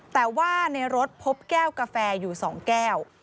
แต่ว่าในรถพบแก้วกาแฟอยู่๒แก้ว